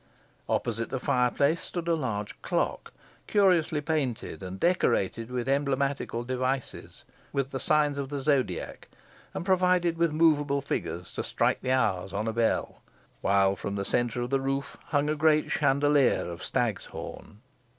Opposite the fireplace, stood a large clock, curiously painted and decorated with emblematical devices, with the signs of the zodiac, and provided with movable figures to strike the hours on a bell; while from the centre of the roof hung a great chandelier of stag's horn.